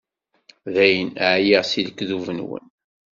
Dayen, ɛyiɣ seg lekdub-nwen.